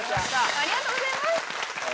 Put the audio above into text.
ありがとうございます。